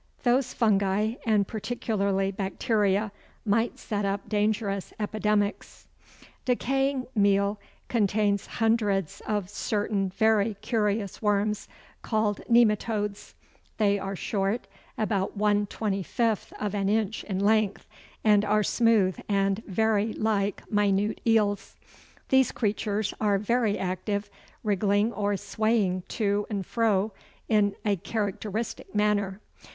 Those fungi, and particularly bacteria, might set up dangerous epidemics. Decaying meal contains hundreds of certain very curious worms called Nematodes. They are short, about one twenty fifth of an inch in length, and are smooth and very like minute eels. These creatures are very active, wriggling or swaying to and fro in a characteristic manner.